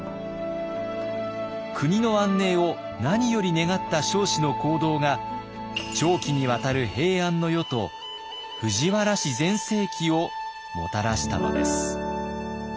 国の安寧を何より願った彰子の行動が長期にわたる平安の世と藤原氏全盛期をもたらしたのです。